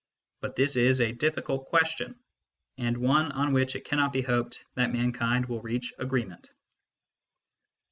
But this is a difficult question, and one on which it cannot be hoped that mankind will reach agreement.